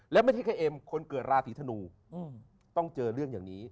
และไม่ใช่แค่เอ็มคนเกิดราศีธนูต้องเจอเรื่องอย่างนี้